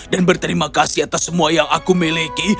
dan berterima kasih atas semua yang aku miliki